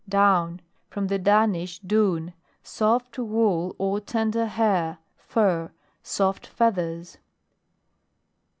DOWN. From the Danish, duun. Soft wool, or tender hair, fur. Soft feathers.